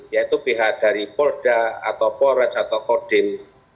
yaitu pihak dari polda atau porets atau kordin